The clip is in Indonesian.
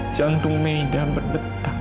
jantung meida berdetak